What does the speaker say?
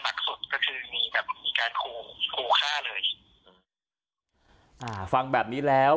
หนักสุดก็คือมีแบบมีการขู่ขู่ฆ่าเลยอ่าฟังแบบนี้แล้ว